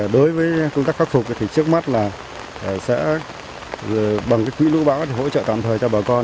đối với công tác khắc phục thì trước mắt là sẽ bằng cái quỹ lưu bão hỗ trợ tạm thời cho bà con